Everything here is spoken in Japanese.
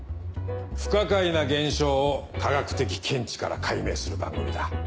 不可解な現象を科学的見地から解明する番組だ。